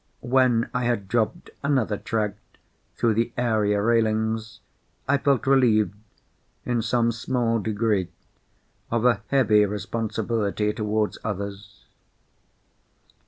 When I had dropped another tract through the area railings, I felt relieved, in some small degree, of a heavy responsibility towards others.